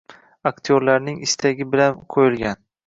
aktyorlarning istagi bilan qo‘yilgan.